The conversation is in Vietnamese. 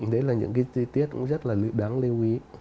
đấy là những cái chi tiết cũng rất là đáng lưu ý